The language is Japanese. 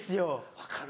分かる。